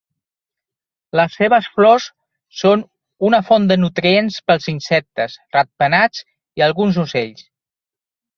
Les seves flors són una font de nutrients pels insectes, ratpenats i alguns ocells.